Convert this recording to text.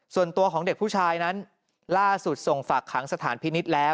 ส่วนตัวของเด็กผู้ชายนั้นล่าสุดส่งฝากขังสถานพินิษฐ์แล้ว